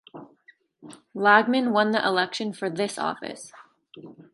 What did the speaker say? Lagman won the election for this office.